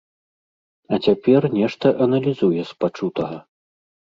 А цяпер нешта аналізуе з пачутага.